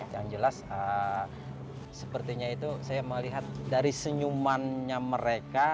yang jelas sepertinya itu saya melihat dari senyumannya mereka